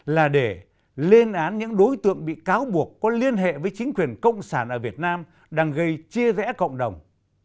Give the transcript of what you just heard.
là để lên án những đối tượng bị cáo buộc có liên hệ với chính quyền cộng sản ở việt nam đang gây chia rẽ cộng đồng